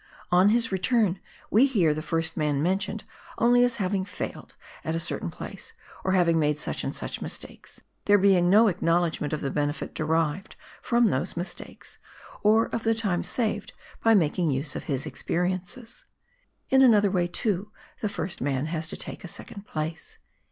On his return we hear the first man mentioned only as having failed at a certain place, or having made such and such mistakes, there being no acknowledgment of the benefit derived from those mistakes, or of the time saved by making use of his experiences. In another way, too, the first man has to take a second place.